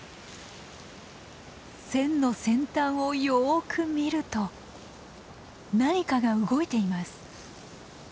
線の先端をよく見ると何かが動いています。